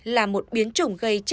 là một biến chủng gây trách nhiệm